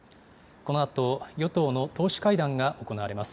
このあと、与党の党首会談が行われます。